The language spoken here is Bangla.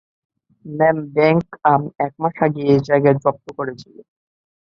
ম্যাম, ব্যাংক, আম, একমাস আগে এই জায়গায় জপ্ত করেছিল।